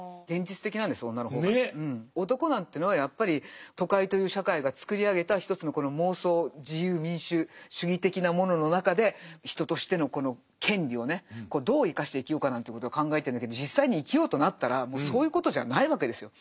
男なんていうのはやっぱり都会という社会が作り上げた一つのこの妄想自由民主主義的なものの中でなんていうことを考えてるんだけど実際に生きようとなったらもうそういうことじゃないわけですよ。